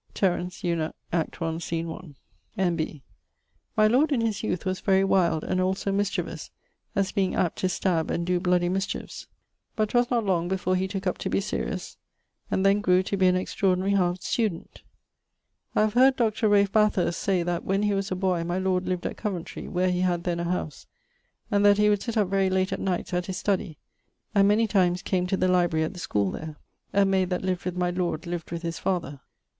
TERENT. Eunuch. Act 1, Scene 1. N.B.: my lord in his youth was very wild, and also mischievous, as being apt to stabbe and doe bloudy mischiefs; but 'twas not long before he tooke up to be serious, and then grew to be an extraordinary hard student. I have heard Dr. Ralph Bathurst[XXXVIII.] say that, when he was a boy, my lord lived at Coventrey (where he had then a house), and that he would sett up very late at nights at his study, and many times came to the library at the schoole[XXXIX.] there. [XXXVIII.] A mayd that lived with my lord lived with his father[BU].